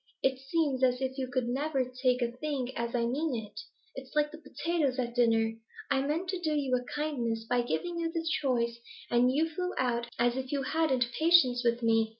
It seems as if you could never take a thing as I mean it. It's like the potatoes at dinner; I meant to do you a kindness by giving you the choice, and you flew out as if you hadn't patience with me.'